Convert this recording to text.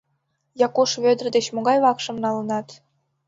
Якуш Вӧдыр деч могай вакшым налынат?